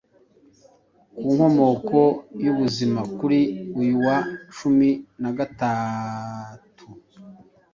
ku nkomoko y’ubuzima kuri uyu wa cumi nagatatu